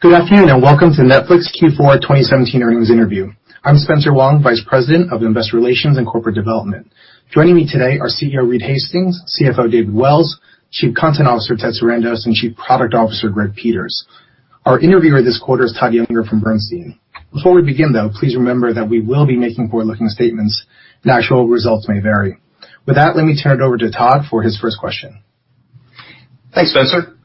Good afternoon, welcome to Netflix Q4 2017 earnings interview. I'm Spencer Wang, Vice President of Investor Relations and Corporate Development. Joining me today are CEO Reed Hastings, CFO David Wells, Chief Content Officer Ted Sarandos, and Chief Product Officer Greg Peters. Our interviewer this quarter is Todd Juenger from Bernstein. Before we begin, though, please remember that we will be making forward-looking statements, actual results may vary. With that, let me turn it over to Todd for his first question. Thanks, Spencer.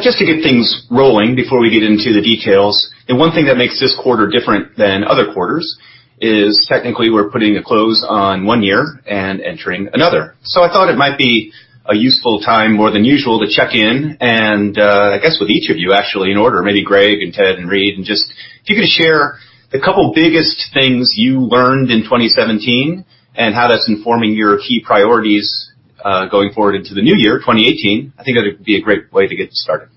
Just to get things rolling before we get into the details, the one thing that makes this quarter different than other quarters is technically we're putting a close on one year and entering another. I thought it might be a useful time, more than usual, to check in and, I guess with each of you, actually, in order, maybe Greg and Ted and Reed, and just if you could share the couple biggest things you learned in 2017 and how that's informing your key priorities going forward into the new year, 2018. I think that'd be a great way to get started.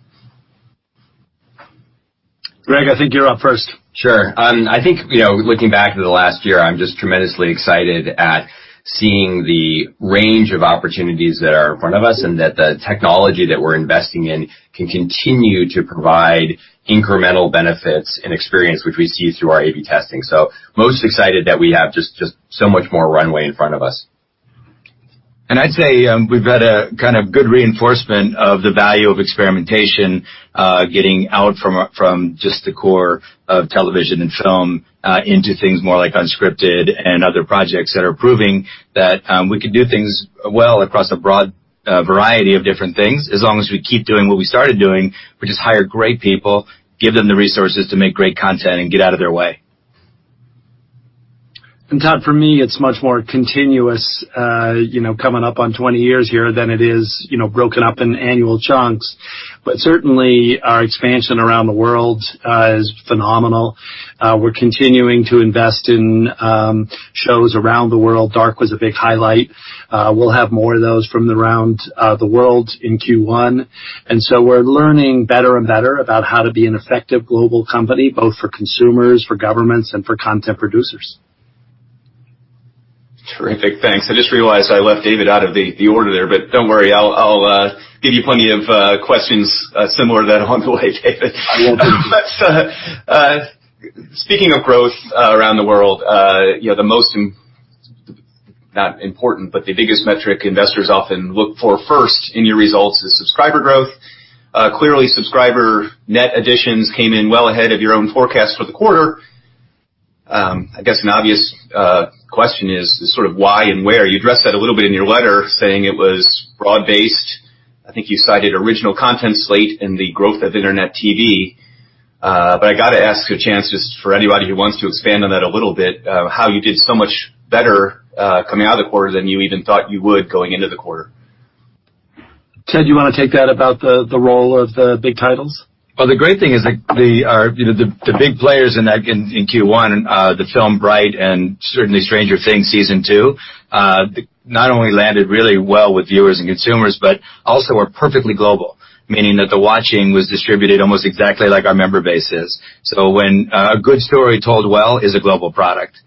Greg, I think you're up first. Sure. I think, looking back to the last year, I'm just tremendously excited at seeing the range of opportunities that are in front of us and that the technology that we're investing in can continue to provide incremental benefits and experience, which we see through our A/B testing. Most excited that we have just so much more runway in front of us. I'd say we've had a good reinforcement of the value of experimentation, getting out from just the core of television and film into things more like unscripted and other projects that are proving that we can do things well across a broad variety of different things as long as we keep doing what we started doing, which is hire great people, give them the resources to make great content, and get out of their way. Todd, for me, it's much more continuous, coming up on 20 years here, than it is broken up in annual chunks. Certainly, our expansion around the world is phenomenal. We're continuing to invest in shows around the world. "Dark" was a big highlight. We'll have more of those from around the world in Q1. We're learning better and better about how to be an effective global company, both for consumers, for governments, and for content producers. Terrific. Thanks. I just realized I left David out of the order there, don't worry, I'll give you plenty of questions similar to that on the way, David. I will do my best. Speaking of growth around the world, the most, not important, but the biggest metric investors often look for first in your results is subscriber growth. Clearly, subscriber net additions came in well ahead of your own forecast for the quarter. I guess an obvious question is sort of why and where. You addressed that a little bit in your letter saying it was broad-based. I think you cited original content slate and the growth of internet TV. I got to ask a chance just for anybody who wants to expand on that a little bit, how you did so much better coming out of the quarter than you even thought you would going into the quarter. Ted, you want to take that about the role of the big titles? Well, the great thing is the big players in Q1, the film Bright and certainly Stranger Things Season 2, not only landed really well with viewers and consumers but also are perfectly global, meaning that the watching was distributed almost exactly like our member base is. When a good story told well is a global product.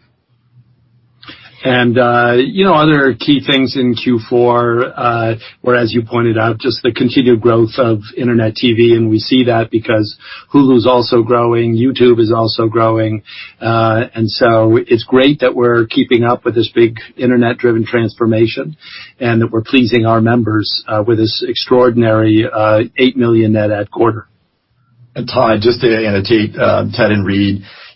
Other key things in Q4, whereas you pointed out just the continued growth of internet TV, and we see that because Hulu's also growing, YouTube is also growing. It's great that we're keeping up with this big internet-driven transformation and that we're pleasing our members with this extraordinary 8 million net add quarter. Todd, just to annotate Ted and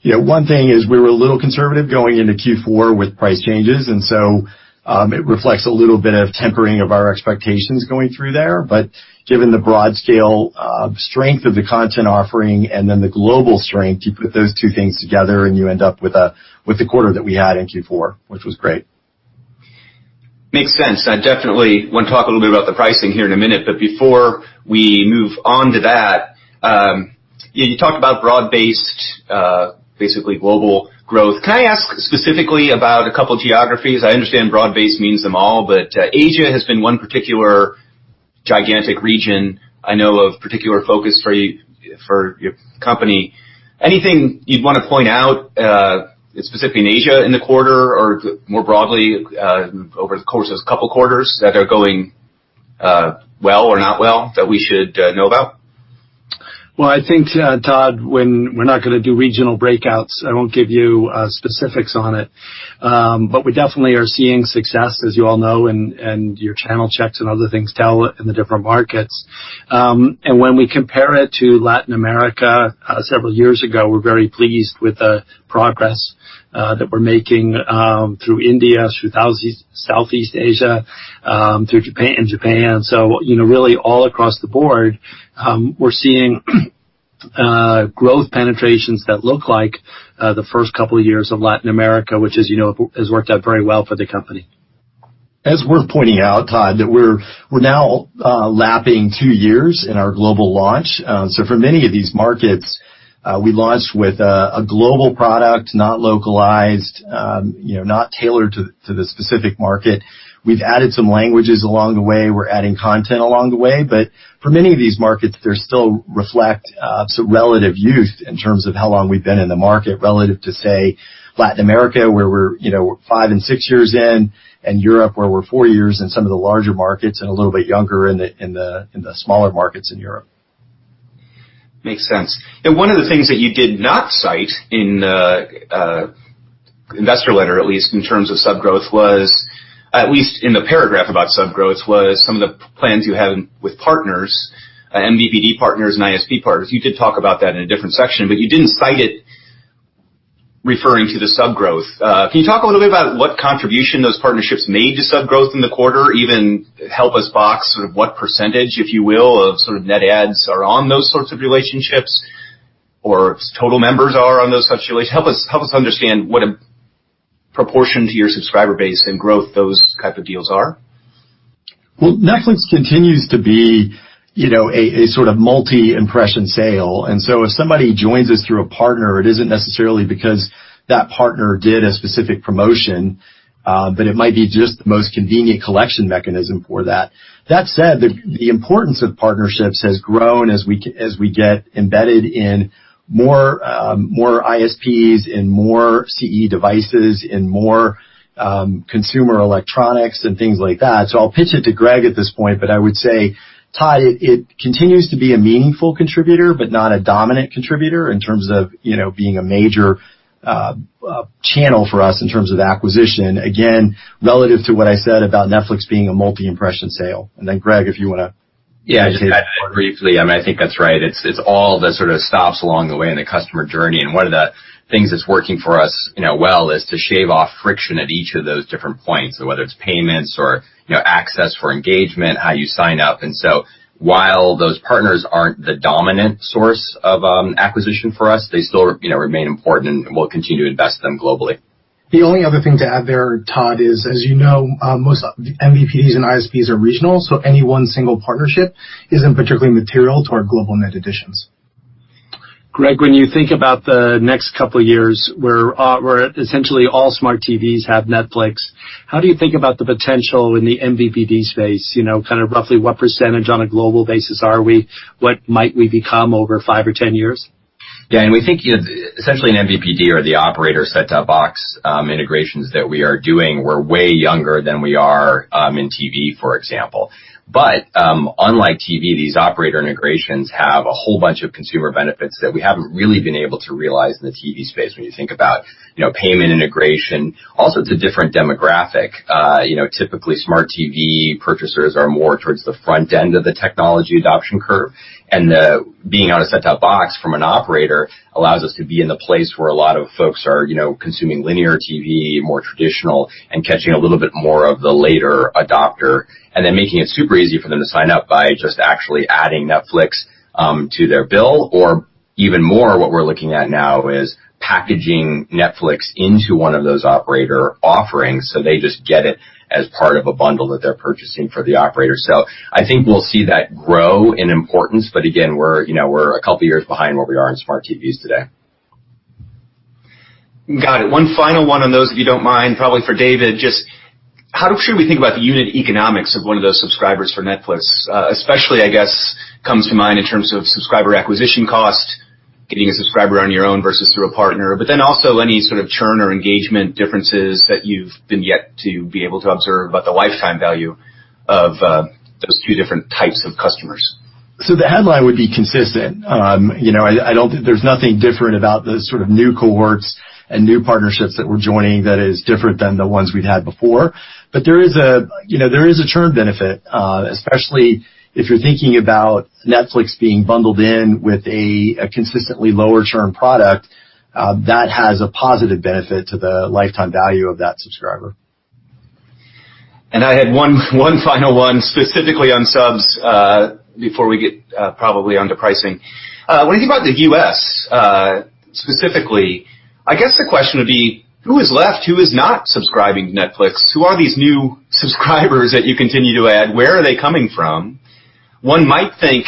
Reed, one thing is we were a little conservative going into Q4 with price changes, so it reflects a little bit of tempering of our expectations going through there. Given the broad scale strength of the content offering and then the global strength, you put those two things together and you end up with the quarter that we had in Q4, which was great. Makes sense. I definitely want to talk a little bit about the pricing here in a minute. Before we move on to that, you talked about broad-based, basically global growth. Can I ask specifically about a couple geographies? I understand broad-based means them all. Asia has been one particular gigantic region I know of particular focus for your company. Anything you'd want to point out specifically in Asia in the quarter or more broadly over the course of this couple quarters that are going well or not well that we should know about? I think, Todd, we're not going to do regional breakouts. I won't give you specifics on it. We definitely are seeing success, as you all know, and your channel checks and other things tell in the different markets. When we compare it to Latin America several years ago, we're very pleased with the progress that we're making through India, through Southeast Asia, through Japan, in Japan. Really all across the board, we're seeing growth penetrations that look like the first couple of years of Latin America, which has worked out very well for the company. It's worth pointing out, Todd, that we're now lapping 2 years in our global launch. For many of these markets, we launched with a global product, not localized, not tailored to the specific market. We've added some languages along the way. We're adding content along the way. For many of these markets, they still reflect some relative youth in terms of how long we've been in the market relative to, say, Latin America, where we're 5 and 6 years in, and Europe, where we're 4 years in some of the larger markets and a little bit younger in the smaller markets in Europe. Makes sense. One of the things that you did not cite in the investor letter, at least in terms of sub growth was, at least in the paragraph about sub growth, was some of the plans you have with partners, MVPD partners, and ISP partners. You did talk about that in a different section, but you didn't cite it referring to the sub growth. Can you talk a little bit about what contribution those partnerships made to sub growth in the quarter? Even help us box what % if you will, of net adds are on those sorts of relationships, or total members are on those such relations. Help us understand what proportion to your subscriber base and growth those type of deals are. Well, Netflix continues to be a sort of multi-impression sale, so if somebody joins us through a partner, it isn't necessarily because that partner did a specific promotion, but it might be just the most convenient collection mechanism for that. That said, the importance of partnerships has grown as we get embedded in more ISPs, in more CE devices, in more consumer electronics and things like that. I'll pitch it to Greg at this point, but I would say, Todd, it continues to be a meaningful contributor, but not a dominant contributor in terms of being a major channel for us in terms of acquisition. Again, relative to what I said about Netflix being a multi-impression sale. Then Greg, if you want to- Yeah. Just to add briefly, I think that's right. It's all the sort of stops along the way in the customer journey, one of the things that's working for us well is to shave off friction at each of those different points, whether it's payments or access for engagement, how you sign up. While those partners aren't the dominant source of acquisition for us, they still remain important and we'll continue to invest in them globally. The only other thing to add there, Todd, is, as you know, most MVPDs and ISPs are regional, any one single partnership isn't particularly material to our global net additions. Greg, when you think about the next couple of years, where essentially all smart TVs have Netflix, how do you think about the potential in the MVPD space? Roughly what percentage on a global basis are we? What might we become over five or 10 years? Yeah. We think essentially an MVPD or the operator set-top box integrations that we are doing, we're way younger than we are in TV, for example. Unlike TV, these operator integrations have a whole bunch of consumer benefits that we haven't really been able to realize in the TV space when you think about payment integration, also it's a different demographic. Typically, smart TV purchasers are more towards the front end of the technology adoption curve. Being on a set-top box from an operator allows us to be in the place where a lot of folks are consuming linear TV, more traditional, and catching a little bit more of the later adopter, and then making it super easy for them to sign up by just actually adding Netflix to their bill. Even more, what we're looking at now is packaging Netflix into one of those operator offerings, so they just get it as part of a bundle that they're purchasing for the operator. I think we'll see that grow in importance, but again, we're a couple of years behind where we are in smart TVs today. Got it. One final one on those, if you don't mind, probably for David. Just how should we think about the unit economics of one of those subscribers for Netflix? Especially, I guess, comes to mind in terms of subscriber acquisition cost, getting a subscriber on your own versus through a partner, but then also any sort of churn or engagement differences that you've been yet to be able to observe about the lifetime value of those two different types of customers. The headline would be consistent. There's nothing different about the sort of new cohorts and new partnerships that we're joining that is different than the ones we've had before. There is a churn benefit, especially if you're thinking about Netflix being bundled in with a consistently lower churn product. That has a positive benefit to the lifetime value of that subscriber. I had one final one specifically on subs, before we get probably onto pricing. When you think about the U.S. specifically, I guess the question would be, who is left? Who is not subscribing to Netflix? Who are these new subscribers that you continue to add? Where are they coming from? One might think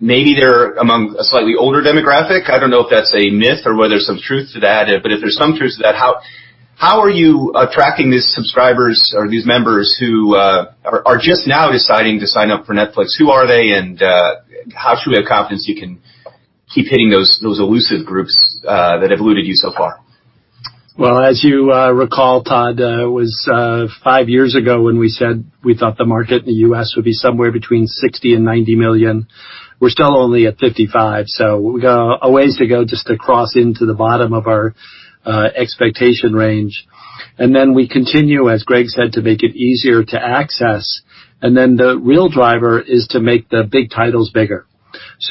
maybe they're among a slightly older demographic. I don't know if that's a myth or whether there's some truth to that. If there's some truth to that, how are you attracting these subscribers or these members who are just now deciding to sign up for Netflix? Who are they, and how should we have confidence you can keep hitting those elusive groups that have eluded you so far? Well, as you recall, Todd, it was five years ago when we said we thought the market in the U.S. would be somewhere between 60 and 90 million. We're still only at 55, so we've got a ways to go just to cross into the bottom of our expectation range. We continue, as Greg said, to make it easier to access, and then the real driver is to make the big titles bigger.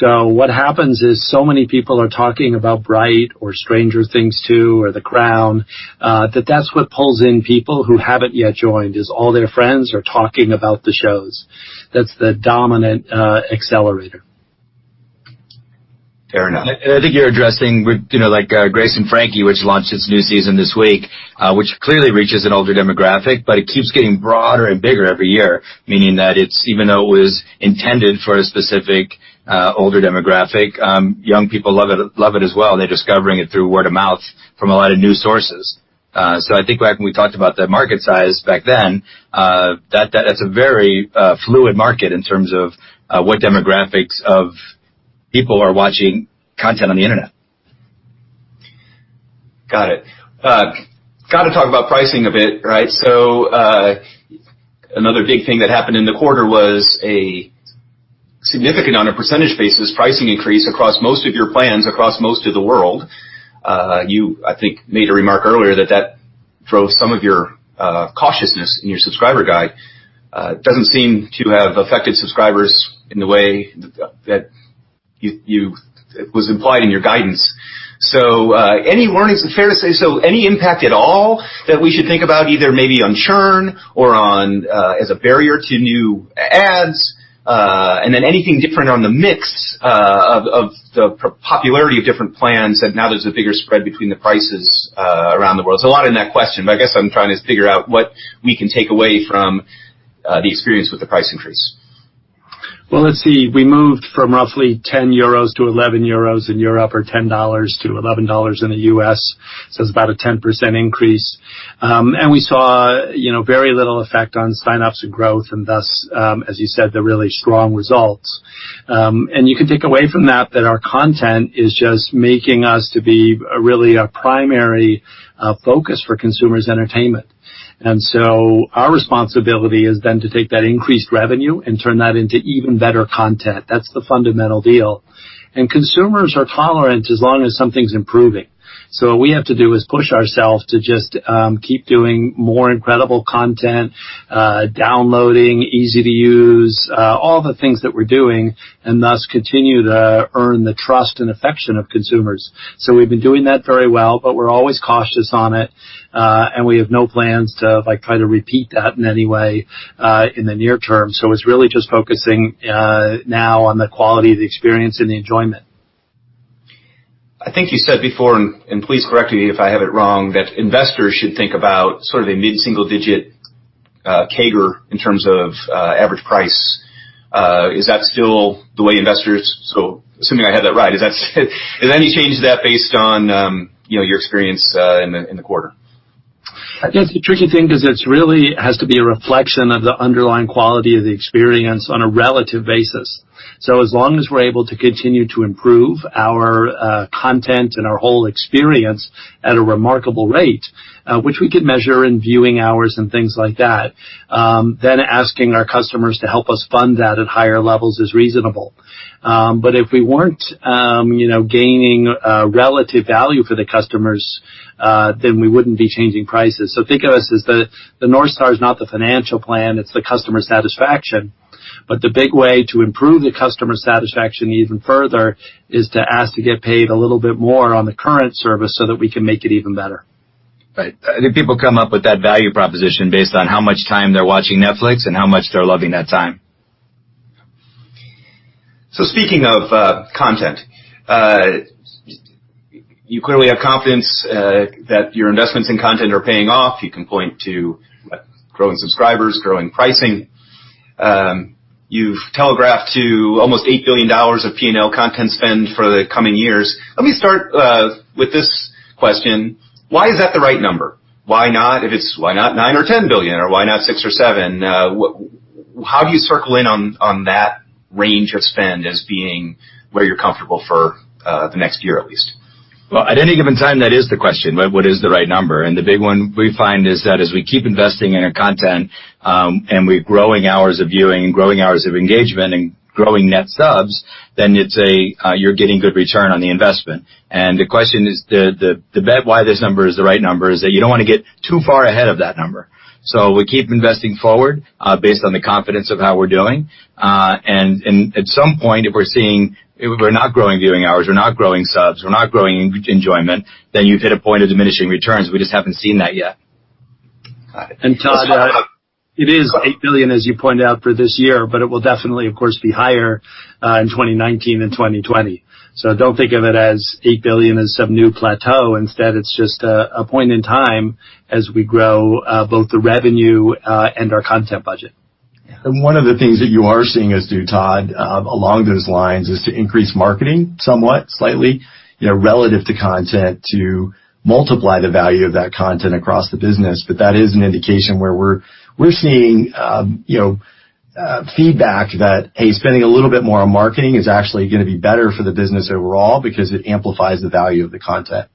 What happens is so many people are talking about "Bright" or "Stranger Things 2" or "The Crown," that that's what pulls in people who haven't yet joined, is all their friends are talking about the shows. That's the dominant accelerator. Fair enough. I think you're addressing with "Grace and Frankie," which launched its new season this week, which clearly reaches an older demographic, but it keeps getting broader and bigger every year, meaning that even though it was intended for a specific older demographic, young people love it as well, and they're discovering it through word of mouth from a lot of new sources. I think back when we talked about the market size back then, that's a very fluid market in terms of what demographics of people are watching content on the internet. Got it. Got to talk about pricing a bit, right? Another big thing that happened in the quarter was a significant, on a percentage basis, pricing increase across most of your plans, across most of the world. You, I think, made a remark earlier that that drove some of your cautiousness in your subscriber guide. It doesn't seem to have affected subscribers in the way that was implied in your guidance. Any warnings, is it fair to say so, any impact at all that we should think about, either maybe on churn or as a barrier to new adds, and then anything different on the mix of the popularity of different plans that now there's a bigger spread between the prices around the world? A lot in that question, I guess I'm trying to figure out what we can take away from the experience with the price increase. Well, let's see. We moved from roughly 10 euros to 11 euros in Europe, or $10 to $11 in the U.S., so it's about a 10% increase. We saw very little effect on sign-ups and growth, and thus, as you said, the really strong results. You can take away from that our content is just making us to be really a primary focus for consumers' entertainment. Our responsibility is then to take that increased revenue and turn that into even better content. That's the fundamental deal. Consumers are tolerant as long as something's improving. What we have to do is push ourselves to just keep doing more incredible content, downloading, easy to use, all the things that we're doing, and thus continue to earn the trust and affection of consumers. We've been doing that very well, but we're always cautious on it. We have no plans to try to repeat that in any way, in the near term. It's really just focusing now on the quality of the experience and the enjoyment. I think you said before, and please correct me if I have it wrong, that investors should think about sort of a mid-single-digit CAGR in terms of average price. Is that still the way investors Assuming I had that right, any change to that based on your experience in the quarter? I guess the tricky thing is it really has to be a reflection of the underlying quality of the experience on a relative basis. As long as we're able to continue to improve our content and our whole experience at a remarkable rate, which we could measure in viewing hours and things like that, then asking our customers to help us fund that at higher levels is reasonable. If we weren't gaining relative value for the customers, then we wouldn't be changing prices. Think of us as the North Star is not the financial plan, it's the customer satisfaction. The big way to improve the customer satisfaction even further is to ask to get paid a little bit more on the current service so that we can make it even better. Right. I think people come up with that value proposition based on how much time they're watching Netflix and how much they're loving that time. Speaking of content. You clearly have confidence that your investments in content are paying off. You can point to growing subscribers, growing pricing. You've telegraphed to almost $8 billion of P&L content spend for the coming years. Let me start with this question. Why is that the right number? Why not nine or 10 billion, or why not six or seven? How do you circle in on that range of spend as being where you're comfortable for the next year, at least? At any given time, that is the question. What is the right number? The big one we find is that as we keep investing in our content, we're growing hours of viewing and growing hours of engagement and growing net subs, then you're getting good return on the investment. The question is, the bet why this number is the right number is that you don't want to get too far ahead of that number. We keep investing forward, based on the confidence of how we're doing. At some point, if we're seeing we're not growing viewing hours, we're not growing subs, we're not growing enjoyment, then you've hit a point of diminishing returns. We just haven't seen that yet. Got it. Todd, it is $8 billion, as you pointed out, for this year, but it will definitely, of course, be higher in 2019 and 2020. Don't think of it as $8 billion as some new plateau. Instead, it's just a point in time as we grow both the revenue and our content budget. One of the things that you are seeing us do, Todd, along those lines, is to increase marketing somewhat, slightly, relative to content, to multiply the value of that content across the business. That is an indication where we're seeing feedback that, hey, spending a little bit more on marketing is actually going to be better for the business overall because it amplifies the value of the content.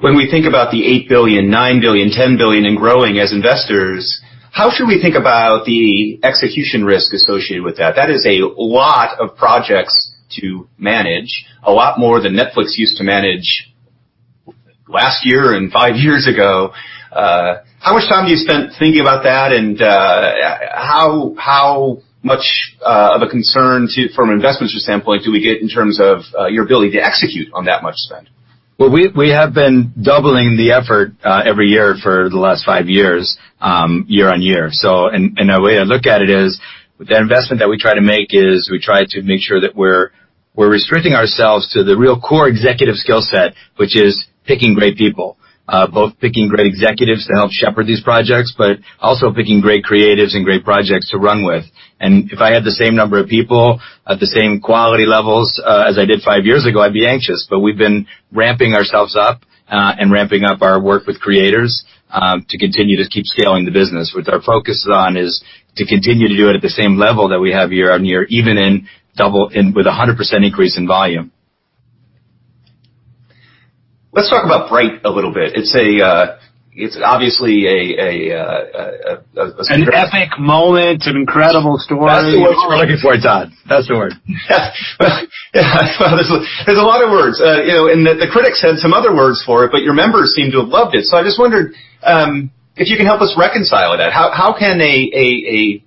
When we think about the $8 billion, $9 billion, $10 billion and growing, as investors, how should we think about the execution risk associated with that? That is a lot of projects to manage, a lot more than Netflix used to manage last year and five years ago. How much time do you spend thinking about that, and how much of a concern from an investment standpoint do we get in terms of your ability to execute on that much spend? Well, we have been doubling the effort every year for the last five years, year-on-year. The way I look at it is, the investment that we try to make is we try to make sure that we're restricting ourselves to the real core executive skill set, which is picking great people. Both picking great executives to help shepherd these projects, but also picking great creatives and great projects to run with. If I had the same number of people at the same quality levels as I did five years ago, I'd be anxious. We've been ramping ourselves up and ramping up our work with creators to continue to keep scaling the business. What our focus is on is to continue to do it at the same level that we have year-on-year, even with 100% increase in volume. Let's talk about Bright a little bit. It's obviously. An epic moment, an incredible story. That's the words we're looking for, Todd. That's the word. There's a lot of words. The critics had some other words for it, but your members seem to have loved it. I just wondered if you can help us reconcile that. How can you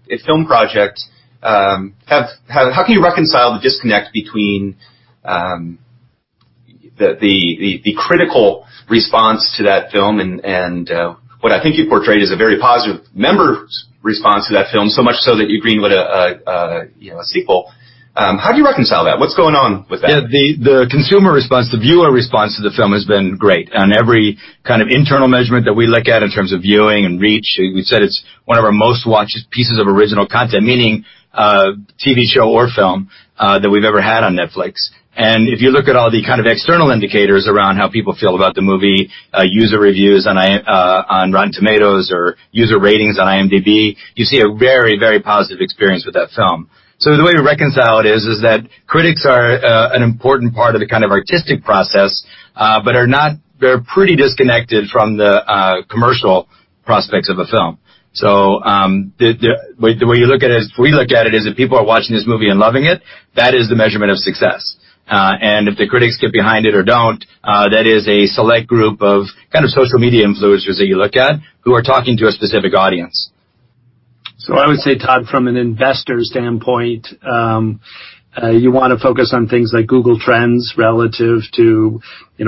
reconcile the disconnect between the critical response to that film and what I think you portrayed as a very positive member's response to that film, so much so that you greenlit a sequel. How do you reconcile that? What's going on with that? Yeah. The consumer response, the viewer response to the film has been great on every kind of internal measurement that we look at in terms of viewing and reach. We said it's one of our most watched pieces of original content, meaning, TV show or film, that we've ever had on Netflix. If you look at all the kind of external indicators around how people feel about the movie, user reviews on Rotten Tomatoes or user ratings on IMDb, you see a very positive experience with that film. The way we reconcile it is that critics are an important part of the kind of artistic process, but they're pretty disconnected from the commercial prospects of a film. The way we look at it is if people are watching this movie and loving it, that is the measurement of success. If the critics get behind it or don't, that is a select group of kind of social media influencers that you look at who are talking to a specific audience. I would say, Todd, from an investor standpoint, you want to focus on things like Google Trends relative to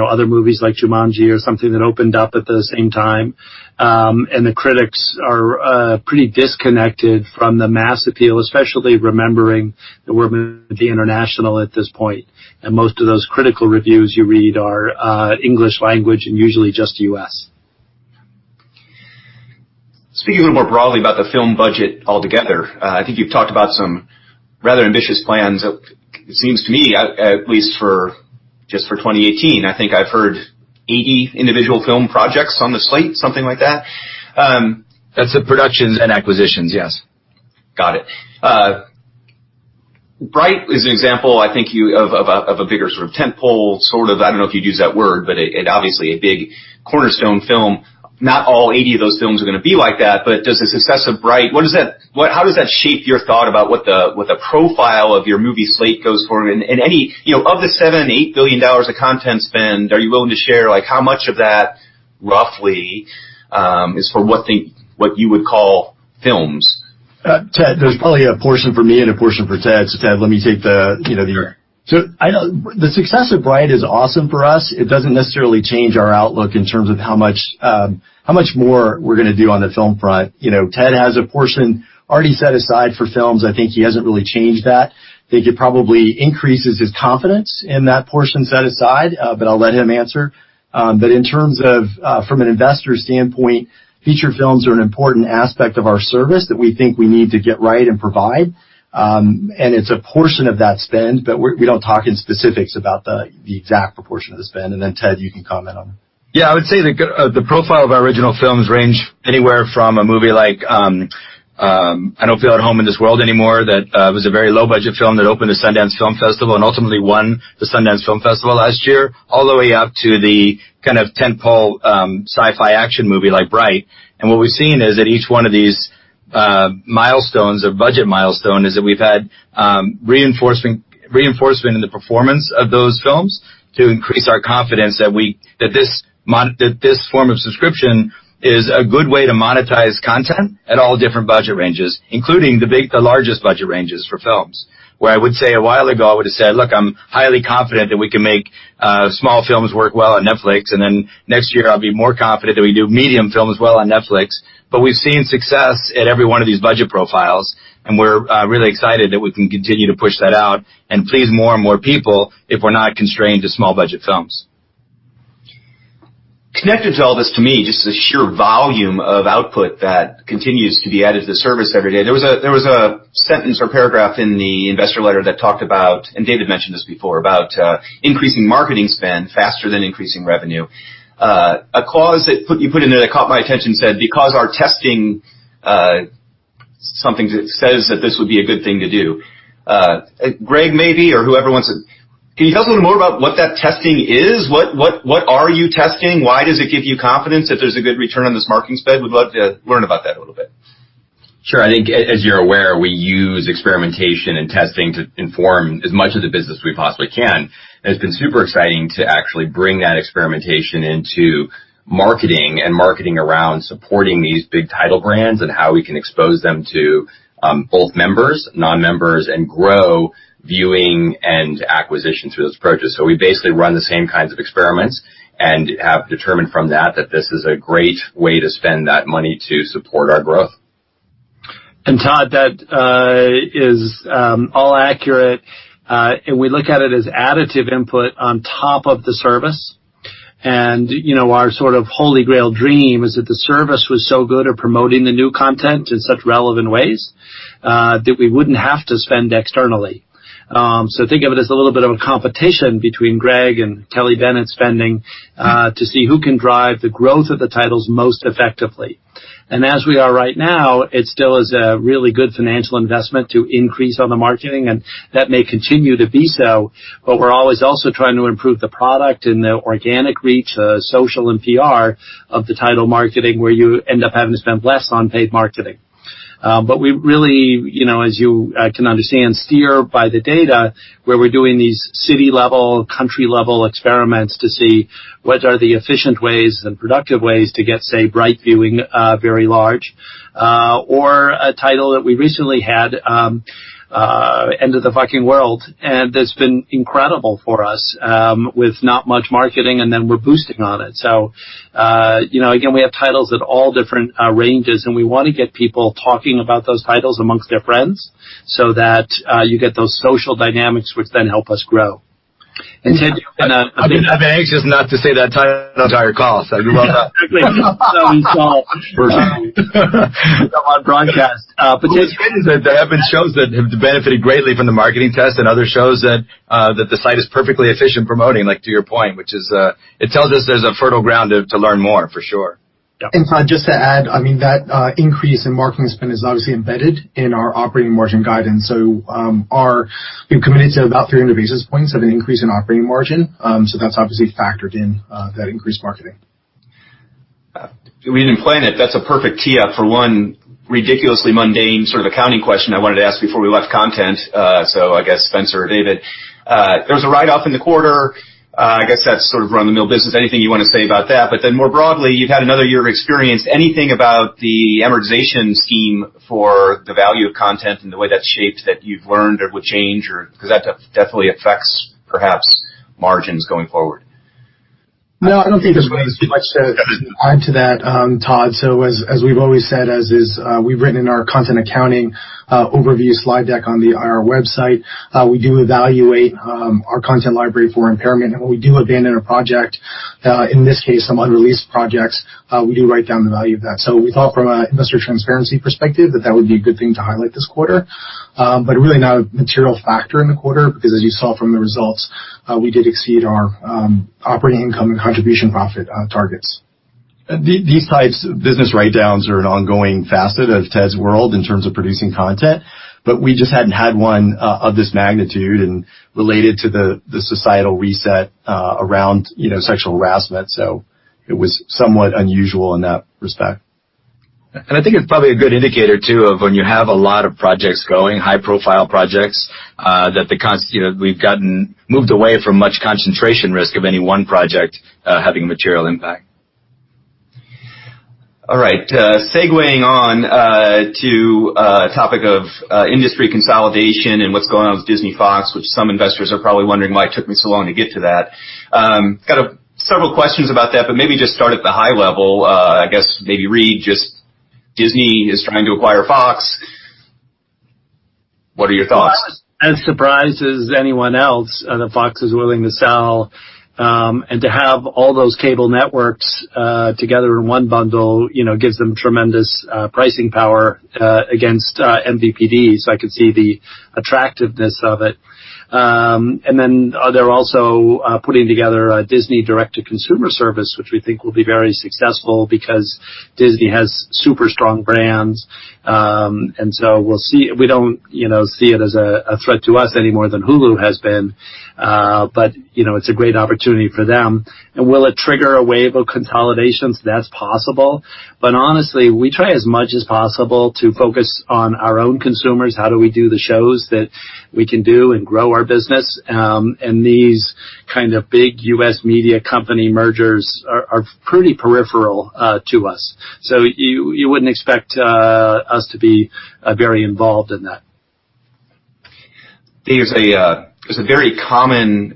other movies like "Jumanji" or something that opened up at the same time. The critics are pretty disconnected from the mass appeal, especially remembering that we're movie international at this point, and most of those critical reviews you read are English language and usually just U.S. Speaking a little more broadly about the film budget altogether, I think you've talked about some rather ambitious plans, it seems to me, at least just for 2018. I think I've heard 80 individual film projects on the slate, something like that. That's the productions and acquisitions, yes. Got it. "Bright" is an example, I think, of a bigger sort of tent-pole, sort of, I don't know if you'd use that word, but it obviously a big cornerstone film. Not all 80 of those films are going to be like that, does the success of "Bright," how does that shape your thought about what the profile of your movie slate goes for? Of the $7 and $8 billion of content spend, are you willing to share, how much of that, roughly, is for what you would call films? Ted, there's probably a portion for me and a portion for Ted. Ted, let me take the. Sure. The success of Bright is awesome for us. It doesn't necessarily change our outlook in terms of how much more we're going to do on the film front. Ted has a portion already set aside for films. I think he hasn't really changed that. I think it probably increases his confidence in that portion set aside, but I'll let him answer. In terms of from an investor standpoint, feature films are an important aspect of our service that we think we need to get right and provide. It's a portion of that spend, but we don't talk in specifics about the exact proportion of the spend. Ted, you can comment on it. Yeah, I would say the profile of our original films range anywhere from a movie like I Don't Feel at Home in This World Anymore, that was a very low-budget film that opened at Sundance Film Festival and ultimately won the Sundance Film Festival last year, all the way up to the kind of tent-pole sci-fi action movie like Bright. What we've seen is that each one of these milestones or budget milestone is that we've had reinforcement in the performance of those films to increase our confidence that this form of subscription is a good way to monetize content at all different budget ranges, including the largest budget ranges for films. Where I would say a while ago, I would've said, "Look, I'm highly confident that we can make small films work well on Netflix, and then next year I'll be more confident that we do medium films well on Netflix." We've seen success at every one of these budget profiles, and we're really excited that we can continue to push that out and please more and more people if we're not constrained to small-budget films. Connected to all this, to me, just the sheer volume of output that continues to be added to the service every day. There was a sentence or paragraph in the investor letter that talked about, and David mentioned this before, about increasing marketing spend faster than increasing revenue. A clause that you put in there that caught my attention said, "Because our testing," something says that this would be a good thing to do. Greg, maybe, or whoever wants it, can you tell us a little more about what that testing is? What are you testing? Why does it give you confidence that there's a good return on this marketing spend? We'd love to learn about that a little bit. Sure. I think as you're aware, we use experimentation and testing to inform as much of the business we possibly can. It's been super exciting to actually bring that experimentation into marketing, and marketing around supporting these big title brands and how we can expose them to both members, non-members, and grow viewing and acquisition through those approaches. We basically run the same kinds of experiments and have determined from that that this is a great way to spend that money to support our growth. Todd, that is all accurate. We look at it as additive input on top of the service. Our sort of holy grail dream is if the service was so good at promoting the new content in such relevant ways, that we wouldn't have to spend externally. Think of it as a little bit of a competition between Greg and Kelly Bennett spending to see who can drive the growth of the titles most effectively. As we are right now, it still is a really good financial investment to increase on the marketing, and that may continue to be so. We're always also trying to improve the product and the organic reach, social and PR of the title marketing, where you end up having to spend less on paid marketing. We really, as you can understand, steer by the data where we're doing these city-level, country-level experiments to see what are the efficient ways and productive ways to get, say, "Bright" viewing very large. A title that we recently had, "The End of the F***ing World," and that's been incredible for us with not much marketing, and then we're boosting on it. Again, we have titles at all different ranges, and we want to get people talking about those titles amongst their friends so that you get those social dynamics, which then help us grow. Ted. I've been anxious not to say that title the entire call, you brought it up. Exactly. We saw it on broadcast. What's good is that there have been shows that have benefited greatly from the marketing test and other shows that the site is perfectly efficient promoting, like to your point, which is it tells us there's a fertile ground to learn more, for sure. Yeah. Todd, just to add, that increase in marketing spend is obviously embedded in our operating margin guidance. We've committed to about 300 basis points of an increase in operating margin. That's obviously factored in that increased marketing. We didn't plan it. That's a perfect tee up for one ridiculously mundane sort of accounting question I wanted to ask before we left content. I guess Spencer or David, there was a write-off in the quarter. I guess that's sort of run-of-the-mill business. Anything you want to say about that? More broadly, you've had another year of experience. Anything about the amortization scheme for the value of content and the way that's shaped that you've learned or would change? That definitely affects perhaps margins going forward. I don't think there's much to add to that, Todd. As we've always said, as is we've written in our content accounting overview slide deck on the IR website, we do evaluate our content library for impairment. When we do abandon a project, in this case, some unreleased projects, we do write down the value of that. We thought from an investor transparency perspective, that that would be a good thing to highlight this quarter. Really not a material factor in the quarter, as you saw from the results, we did exceed our operating income and contribution profit targets. These types of business write-downs are an ongoing facet of Ted's world in terms of producing content. We just hadn't had one of this magnitude and related to the societal reset around sexual harassment. It was somewhat unusual in that respect. I think it's probably a good indicator, too, of when you have a lot of projects going, high-profile projects, that we've gotten moved away from much concentration risk of any one project having a material impact. All right. Segueing on to a topic of industry consolidation and what's going on with Disney Fox, which some investors are probably wondering why it took me so long to get to that. Got several questions about that, maybe just start at the high level. I guess maybe Reed, just Disney is trying to acquire Fox. What are your thoughts? As surprised as anyone else that Fox is willing to sell. To have all those cable networks together in one bundle gives them tremendous pricing power against MVPD, I could see the attractiveness of it. They're also putting together a Disney direct-to-consumer service, which we think will be very successful because Disney has super strong brands. We'll see. We don't see it as a threat to us any more than Hulu has been. It's a great opportunity for them. Will it trigger a wave of consolidations? That's possible. Honestly, we try as much as possible to focus on our own consumers. How do we do the shows that we can do and grow our business? These kind of big U.S. media company mergers are pretty peripheral to us. You wouldn't expect us to be very involved in that. There's a very common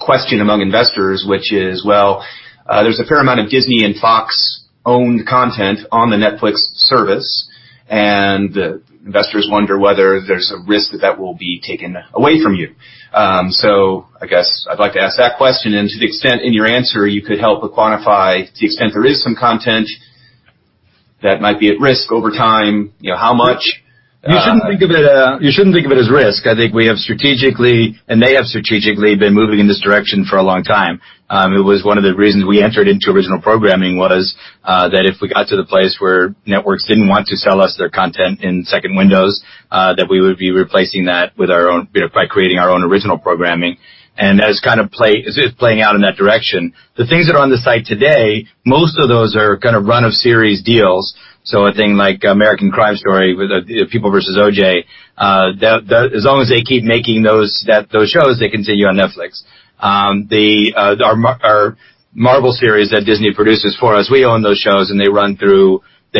question among investors, which is, well, there's a fair amount of Disney and Fox-owned content on the Netflix service, and investors wonder whether there's a risk that that will be taken away from you. I guess I'd like to ask that question, and to the extent in your answer, you could help but quantify to the extent there is some content that might be at risk over time, how much? You shouldn't think of it as risk. I think we have strategically, and they have strategically been moving in this direction for a long time. It was one of the reasons we entered into original programming was that if we got to the place where networks didn't want to sell us their content in second windows, that we would be replacing that by creating our own original programming. That is playing out in that direction. The things that are on the site today, most of those are kind of run-of-series deals. A thing like "American Crime Story" with "People v. O. J.," as long as they keep making those shows, they continue on Netflix. Our Marvel series that Disney produces for us, we own those shows, and they run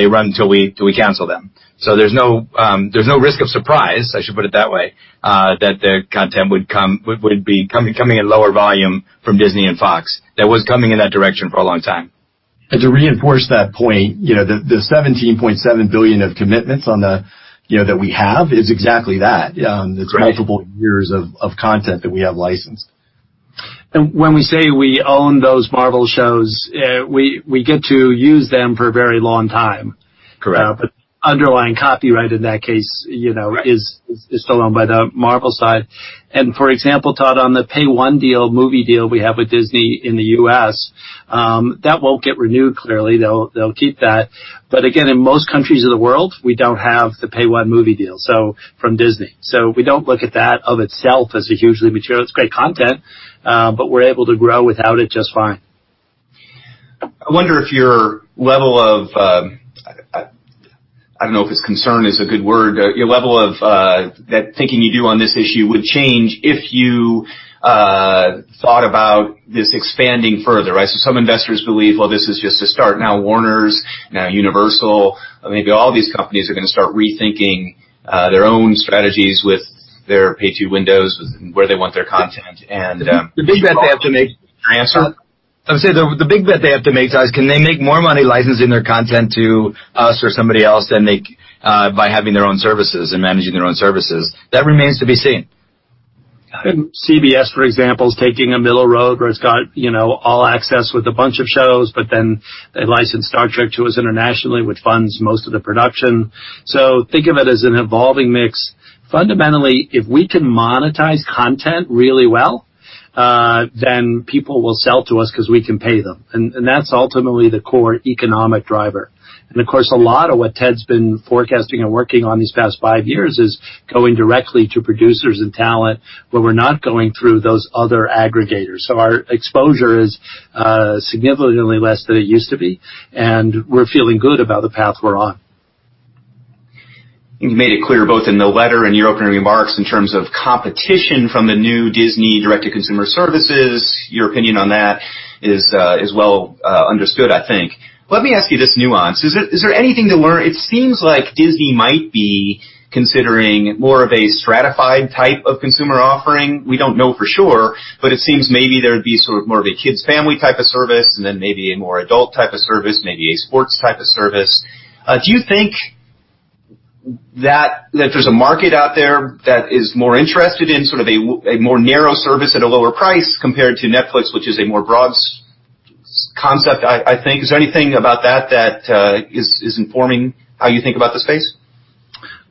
until we cancel them. There's no risk of surprise, I should put it that way, that their content would be coming at lower volume from Disney and Fox. That was coming in that direction for a long time. To reinforce that point, the $17.7 billion of commitments that we have is exactly that. Right. It's multiple years of content that we have licensed. When we say we own those Marvel shows, we get to use them for a very long time. Correct. Underlying copyright, in that case- Right is still owned by the Marvel side. For example, Todd, on the Pay-1 deal, movie deal we have with Disney in the U.S. That won't get renewed, clearly. They'll keep that. Again, in most countries of the world, we don't have the Pay-1 movie deal from Disney. We don't look at that of itself as a hugely. It's great content, but we're able to grow without it just fine. I wonder if your level of, I don't know if concern is a good word, your level of that thinking you do on this issue would change if you thought about this expanding further. Some investors believe, well, this is just a start. Now Warner, now Universal, maybe all these companies are going to start rethinking their own strategies with their Pay-2 windows, where they want their content and- The big bet they have to make- Can I answer? I would say, the big bet they have to make, Todd, is can they make more money licensing their content to us or somebody else than by having their own services and managing their own services? That remains to be seen. CBS, for example, is taking a middle road where it's got CBS All Access with a bunch of shows. They licensed Star Trek to us internationally, which funds most of the production. Think of it as an evolving mix. Fundamentally, if we can monetize content really well, then people will sell to us because we can pay them. That's ultimately the core economic driver. Of course, a lot of what Ted's been forecasting and working on these past five years is going directly to producers and talent. We're not going through those other aggregators. Our exposure is significantly less than it used to be, and we're feeling good about the path we're on. You've made it clear both in the letter and your opening remarks in terms of competition from the new Disney direct to consumer services. Your opinion on that is well understood, I think. Let me ask you this nuance. Is there anything to worry? It seems like Disney might be considering more of a stratified type of consumer offering. We don't know for sure, but it seems maybe there would be more of a kids/family type of service and then maybe a more adult type of service, maybe a sports type of service. Do you think that there's a market out there that is more interested in a more narrow service at a lower price compared to Netflix, which is a more broad concept, I think? Is there anything about that that is informing how you think about the space?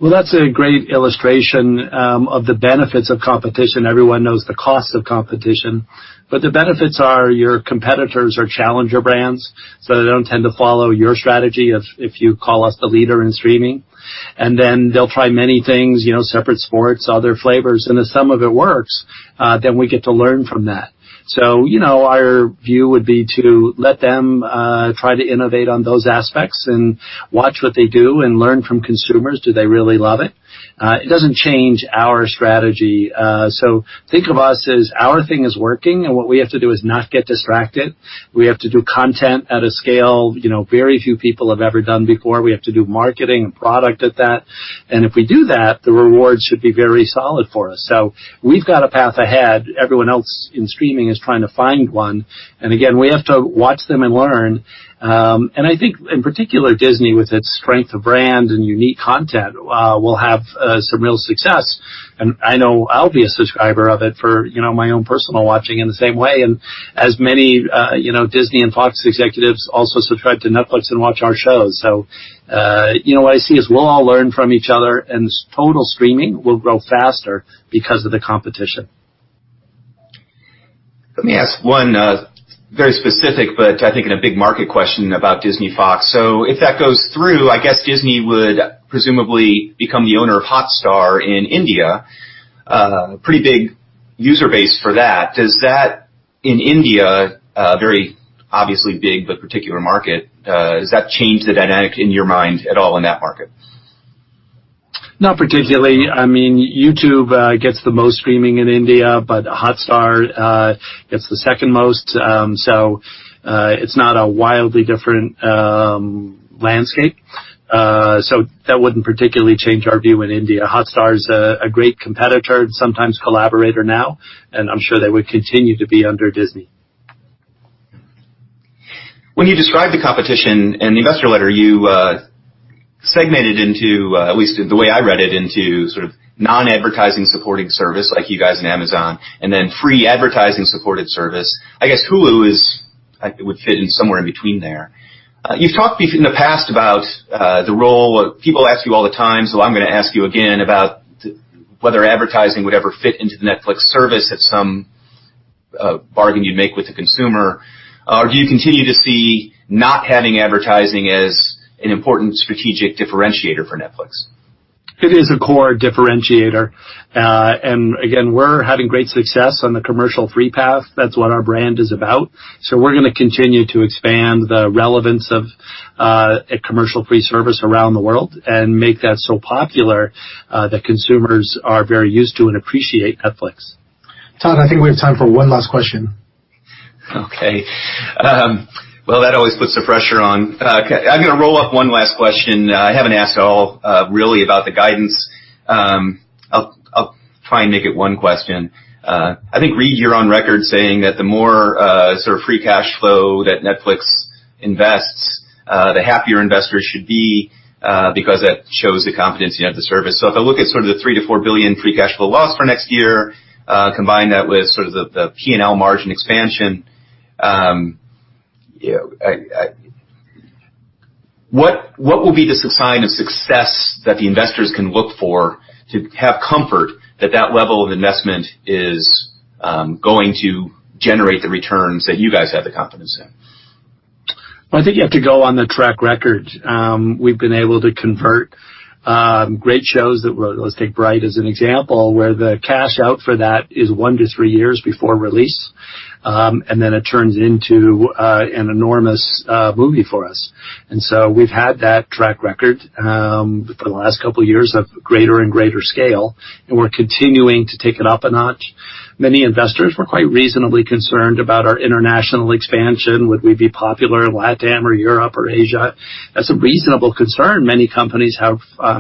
That's a great illustration of the benefits of competition. Everyone knows the cost of competition. The benefits are your competitors are challenger brands, so they don't tend to follow your strategy, if you call us the leader in streaming. Then they'll try many things, separate sports, other flavors. If some of it works, then we get to learn from that. Our view would be to let them try to innovate on those aspects and watch what they do and learn from consumers. Do they really love it? It doesn't change our strategy. Think of us as our thing is working, and what we have to do is not get distracted. We have to do content at a scale very few people have ever done before. We have to do marketing and product at that. If we do that, the rewards should be very solid for us. We've got a path ahead. Everyone else in streaming is trying to find one. Again, we have to watch them and learn. I think, in particular, Disney, with its strength of brand and unique content, will have some real success. I know I'll be a subscriber of it for my own personal watching in the same way. As many Disney and Fox executives also subscribe to Netflix and watch our shows. What I see is we'll all learn from each other, and total streaming will grow faster because of the competition. Let me ask one very specific, but I think in a big market question about Disney-Fox. If that goes through, I guess Disney would presumably become the owner of Hotstar in India, pretty big user base for that. In India, very obviously big, but particular market, does that change the dynamic in your mind at all in that market? Not particularly. YouTube gets the most streaming in India, but Hotstar gets the second most. It's not a wildly different landscape. That wouldn't particularly change our view in India. Hotstar is a great competitor, sometimes collaborator now, and I'm sure they would continue to be under Disney. When you describe the competition in the investor letter, you segmented into, at least the way I read it, into non-advertising-supported service like you guys and Amazon, and then free advertising-supported service. I guess Hulu would fit in somewhere in between there. You've talked in the past about the role-- People ask you all the time, so I'm going to ask you again about whether advertising would ever fit into the Netflix service at some bargain you'd make with the consumer. Do you continue to see not having advertising as an important strategic differentiator for Netflix? It is a core differentiator. Again, we're having great success on the commercial-free path. That's what our brand is about. We're going to continue to expand the relevance of a commercial-free service around the world and make that so popular that consumers are very used to and appreciate Netflix. Todd, I think we have time for one last question. Well, that always puts the pressure on. I'm going to roll up one last question. I haven't asked at all really about the guidance. I'll try and make it one question. I think, Reed, you're on record saying that the more free cash flow that Netflix invests, the happier investors should be because that shows the confidence you have in the service. If I look at the $3 billion-$4 billion free cash flow loss for next year, combine that with the P&L margin expansion, I What will be the sign of success that the investors can look for to have comfort that that level of investment is going to generate the returns that you guys have the confidence in? Well, I think you have to go on the track record. We've been able to convert great shows, let's take Bright as an example, where the cash out for that is one to three years before release, then it turns into an enormous movie for us. We've had that track record for the last couple of years of greater and greater scale, and we're continuing to take it up a notch. Many investors were quite reasonably concerned about our international expansion. Would we be popular in LATAM or Europe or Asia? That's a reasonable concern. Many companies have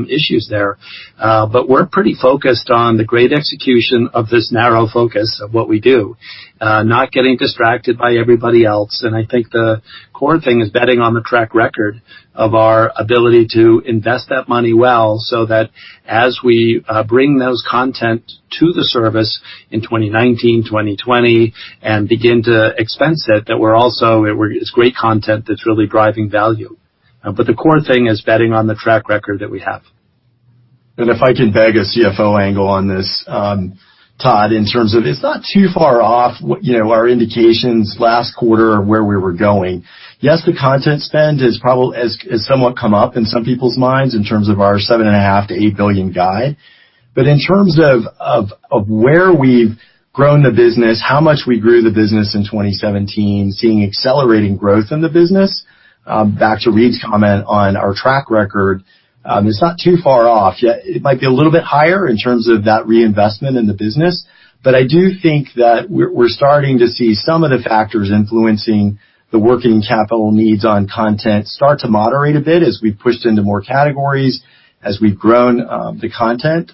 issues there. We're pretty focused on the great execution of this narrow focus of what we do, not getting distracted by everybody else. I think the core thing is betting on the track record of our ability to invest that money well so that as we bring those content to the service in 2019, 2020 and begin to expense it, that it's great content that's really driving value. The core thing is betting on the track record that we have. If I can beg a CFO angle on this, Todd, in terms of it's not too far off our indications last quarter of where we were going. Yes, the content spend has somewhat come up in some people's minds in terms of our $7.5 billion-$8 billion guide. In terms of where we've grown the business, how much we grew the business in 2017, seeing accelerating growth in the business, back to Reed's comment on our track record, it's not too far off. It might be a little bit higher in terms of that reinvestment in the business. I do think that we're starting to see some of the factors influencing the working capital needs on content start to moderate a bit as we've pushed into more categories, as we've grown the content.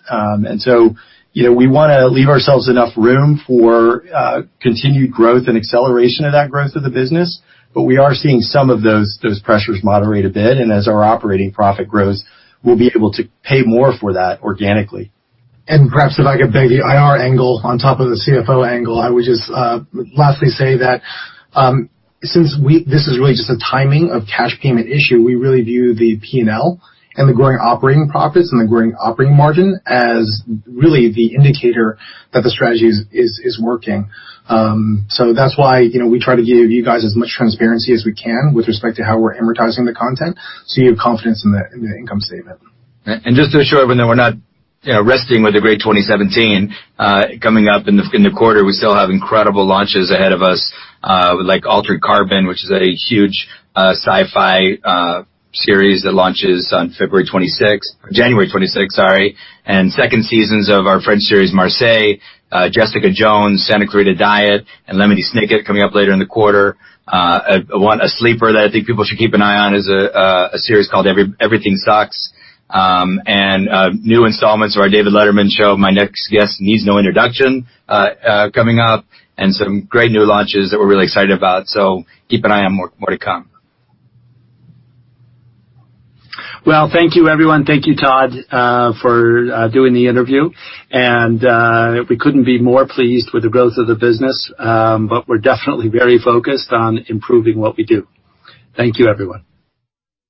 We want to leave ourselves enough room for continued growth and acceleration of that growth of the business. We are seeing some of those pressures moderate a bit. As our operating profit grows, we'll be able to pay more for that organically. Perhaps if I could beg the IR angle on top of the CFO angle, I would just lastly say that since this is really just a timing of cash payment issue, we really view the P&L and the growing operating profits and the growing operating margin as really the indicator that the strategy is working. That's why we try to give you guys as much transparency as we can with respect to how we're amortizing the content so you have confidence in the income statement. Just to assure everyone that we're not resting with a great 2017, coming up in the quarter, we still have incredible launches ahead of us, like "Altered Carbon," which is a huge sci-fi series that launches on February 26th. January 26th, sorry. Second seasons of our French series, "Marseille," "Jessica Jones," "Santa Clarita Diet," and "A Series of Unfortunate Events" coming up later in the quarter. A sleeper that I think people should keep an eye on is a series called "Everything Sucks!" New installments of our David Letterman show, "My Next Guest Needs No Introduction" coming up and some great new launches that we're really excited about. Keep an eye out, more to come. Well, thank you everyone. Thank you, Todd, for doing the interview. We couldn't be more pleased with the growth of the business. We're definitely very focused on improving what we do. Thank you, everyone.